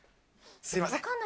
すみません。